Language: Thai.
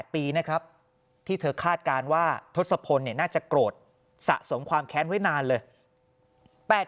๘ปีนะครับที่เธอคาดการณ์ว่าทศพลน่าจะโกรธสะสมความแค้นไว้นานเลย